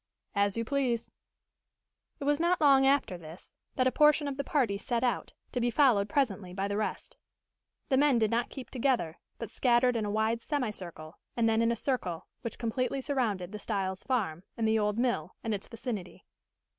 "As you please." It was not long after this that a portion of the party set out, to be followed presently by the rest. The men did not keep together, but scattered in a wide semicircle, and then in a circle, which completely surrounded the Styles' farm, and the old mill, and its vicinity.